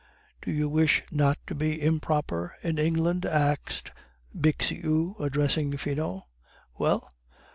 "Do you wish not to be 'improper' in England?" asked Bixiou, addressing Finot. "Well?"